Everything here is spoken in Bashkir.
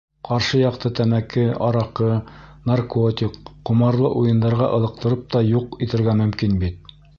Ҡаршы яҡты тәмәке, араҡы, наркотик, ҡомарлы уйындарға ылыҡтырып та юҡ итергә мөмкин бит!